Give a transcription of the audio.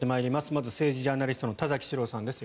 まず政治ジャーナリストの田崎史郎さんです。